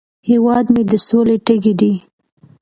هیواد مې د سولې تږی دی